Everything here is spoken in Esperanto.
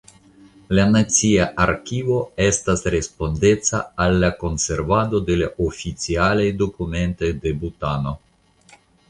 La nacia arkivo estas respondeca al la konservadon de la oficialaj dokumentoj de Butano.